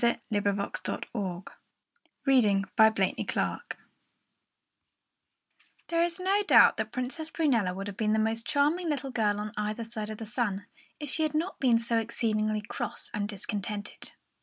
The Tears of Princess Prunella There is no doubt that the Princess Prunella would have been the most charming little girl on either side of the sun, if she had not been so exceedingly cross and discontented.